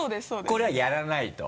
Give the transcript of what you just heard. これはやらないと。